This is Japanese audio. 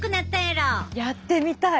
やってみたい。